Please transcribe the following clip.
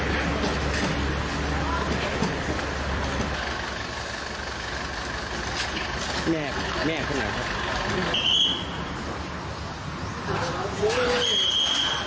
และตอนที่แล้วอาวุธพระอาทิตย์